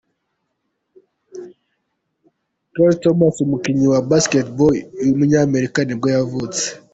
Kurt Thomas, umukinnyi wa Basketball w’umunyamerika nibwo yavutse.